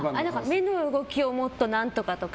目の動きを何とかとか。